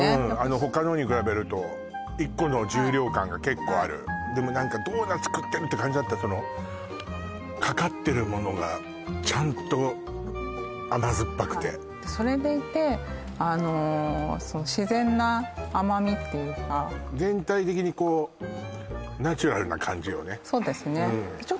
他のに比べると１個の重量感が結構あるでもドーナツ食ってるって感じだったかかってるものがちゃんと甘酸っぱくてそれでいて自然な甘みっていうかそうですね